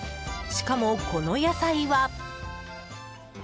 しかも、この野菜は。